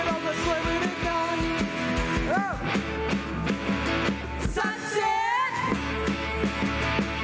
ถึงแม้พวกเราจะซวยมันซวยไม่ด้วยกัน